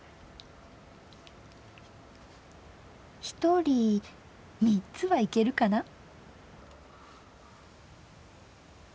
ひとり３つはいけるかな。